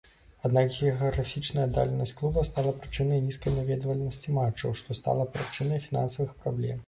Аднак геаграфічная аддаленасць клуба стала прычынай нізкай наведвальнасці матчаў, што стала прычынай фінансавых праблем.